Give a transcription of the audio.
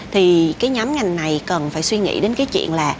thì nhóm ngành này cần phải suy nghĩ đến chuyện là